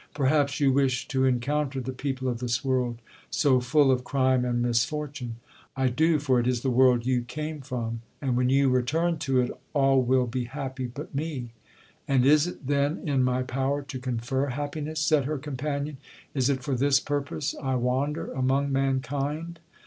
'—'Perhaps you wish to encounter the people of this world, so full of crime and misfortune.'—'I do, for it is the world you came from, and when you return to it all will be happy but me.'—'And is it, then, in my power to confer happiness?' said her companion; 'is it for this purpose I wander among mankind?'